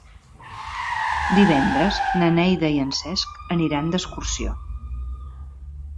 Divendres na Neida i en Cesc aniran d'excursió.